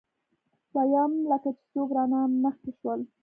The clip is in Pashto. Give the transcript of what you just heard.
ويم لکه چې څوک رانه مخکې شول.